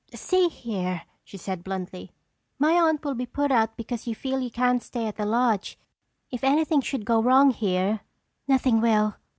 "See here," she said bluntly, "my aunt will be put out because you feel you can't stay at the lodge. If anything should go wrong here—" "Nothing will."